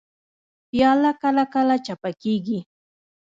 پیاله کله کله چپه کېږي.